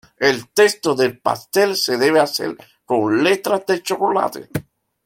El texto del pastel se debe hacer con letras de chocolate.